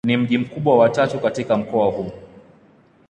Ni mji mkubwa wa tatu katika mkoa huu.